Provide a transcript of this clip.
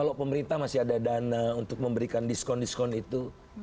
kita masih ada dana untuk memberikan diskon diskon itu